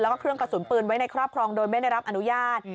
แล้วก็เครื่องกระสุนปืนไว้ในครอบครองโดยไม่ได้รับอนุญาต